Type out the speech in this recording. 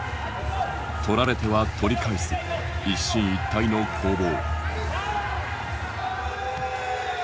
取られては取り返す一進一退の攻防。